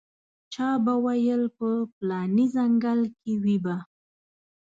چا به ویل په پلاني ځنګل کې وي به.